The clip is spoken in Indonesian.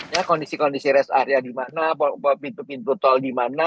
ya kondisi kondisi rest area di mana pintu pintu tol di mana